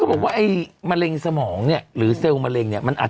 บอกว่าไอ้มะเร็งสมองเนี่ยหรือเซลล์มะเร็งเนี่ยมันอาจ